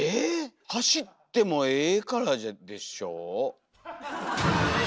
走ってもええからでしょ？